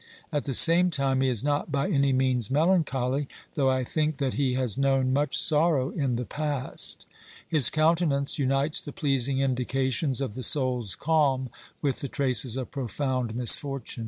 At the same time he is not by any means melancholy, though I think that he has known much sorrow in the past. His countenance unites the pleasing indications of the soul's calm with the traces of profound misfortune.